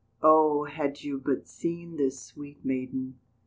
Oh, had you but seen this sweet maiden!